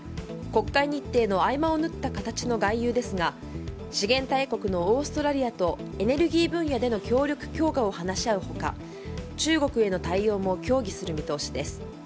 国会日程の合間をぬった形の外遊ですが資源大国のオーストラリアとエネルギー分野での協力強化を話し合う他中国への対応も協議する見通しです。